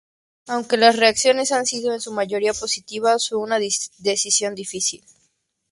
Aunque las reacciones han sido en su mayoría positivas, fue una decisión difícil.